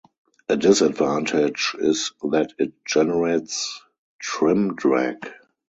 A disadvantage is that it generates trim drag.